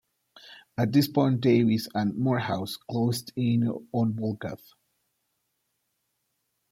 At this point Davis and Moorhouse closed in on Volkov.